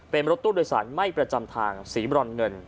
เป็นรถตู้โดยสารไม่ประจำทางสีบรอนเงิน